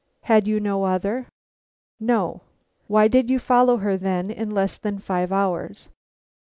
"Had you no other?" "No." "Why did you follow her, then, in less than five hours?"